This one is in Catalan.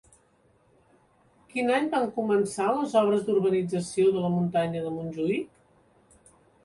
Quin any van començar les obres d'urbanització de la muntanya de Montjuïc?